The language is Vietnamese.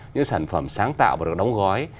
những sản phẩm sáng tạo và đóng gói